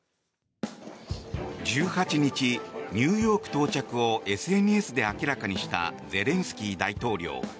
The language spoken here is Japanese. １８日、ニューヨーク到着をＳＮＳで明らかにしたゼレンスキー大統領。